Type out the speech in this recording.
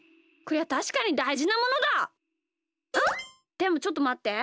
でもちょっとまって。